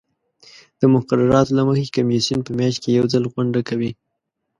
د مقرراتو له مخې کمیسیون په میاشت کې یو ځل غونډه کوي.